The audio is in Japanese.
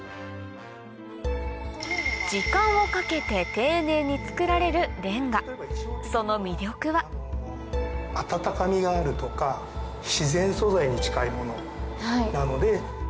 時間をかけて丁寧に作られるれんが温かみがあるとか自然素材に近いものなので。